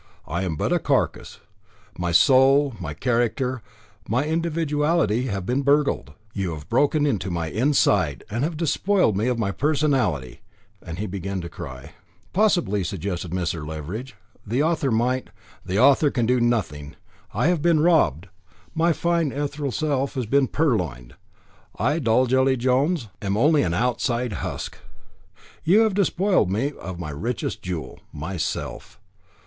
I am but a carcass. My soul, my character, my individuality have been burgled. You have broken into my inside, and have despoiled me of my personality." And he began to cry. "Possibly," suggested Mr. Leveridge, "the author might " "The author can do nothing. I have been robbed my fine ethereal self has been purloined. I Dolgelly Jones am only an outside husk. You have despoiled me of my richest jewel myself."